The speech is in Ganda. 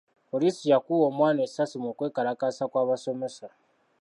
Poliisi yakuba omwana essasi mu kwekalakaasa kw'abasomesa.